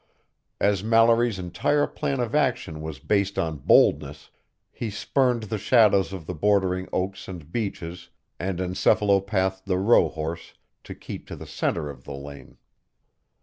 As Mallory's entire plan of action was based on boldness, he spurned the shadows of the bordering oaks and beeches and encephalopathed the rohorse to keep to the center of the lane.